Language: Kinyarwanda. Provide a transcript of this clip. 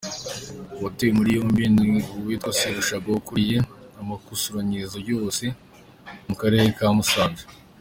Uwatawe muri yombi ni uwitwa Serushago ukuriye amakusanyirizo yose yo mu Karere ka Musanze.